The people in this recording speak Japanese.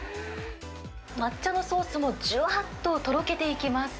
抹茶のソースもじゅわっととろけていきます。